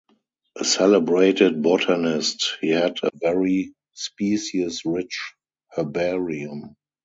A celebrated botanist, he had a very species-rich herbarium.